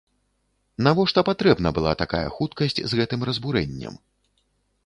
Навошта патрэбна была такая хуткасць з гэтым разбурэннем?